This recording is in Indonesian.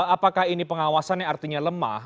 apakah ini pengawasannya artinya lemah